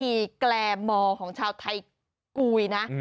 มีแกลมอร์ของชาวไทยกุยนะ